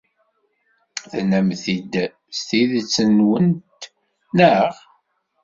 Tennamt-t-id s tidet-nwent, naɣ?